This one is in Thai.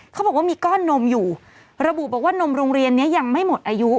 เขาบอกว่ามีก้อนนมอยู่ระบุบอกว่านมโรงเรียนนี้ยังไม่หมดอายุ